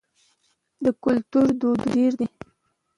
د کوترو ډولونه ډیر دي